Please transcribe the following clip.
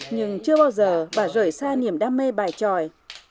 nhưng chưa bao giờ bà rời xa niềm đam mê bài tròi